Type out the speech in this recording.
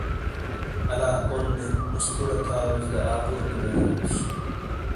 آلا کونڈے موسے توڈے تھالوس دا آپوروٹے رجالوس۔